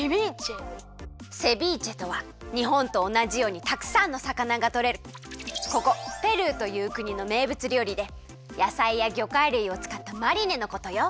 セビーチェとはにほんとおなじようにたくさんのさかながとれるここペルーというくにのめいぶつりょうりでやさいやぎょかいるいをつかったマリネのことよ。